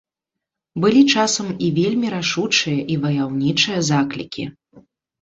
Былі часам і вельмі рашучыя і ваяўнічыя заклікі.